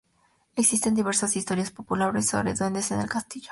Existen diversas historias populares sobre duendes en el castillo.